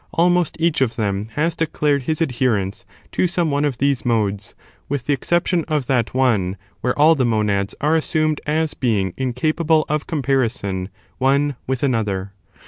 almost each of them has declared his adherence to some one of these modes, with the exception of that one where all the monads are assumed as being incapable of comparison one with another.